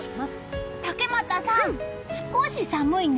竹俣さん、少し寒いね。